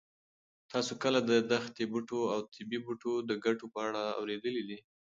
تاسو کله د دښتي بوټو او طبي بوټو د ګټو په اړه اورېدلي دي؟